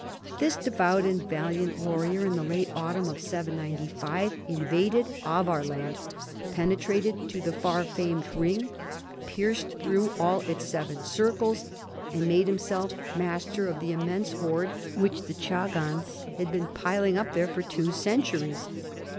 This devout and valiant warrior, in the late autumn of 795, invaded Avar land, penetrated to the far famed Hring, pierced through all its seven circles, and made himself mas ter of the immense hoard which the chagans had been piling up there for two centuries.